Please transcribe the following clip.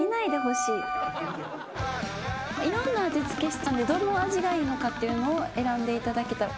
いろんな味付けしたんでどの味がいいのかっていうのを選んでいただけたら。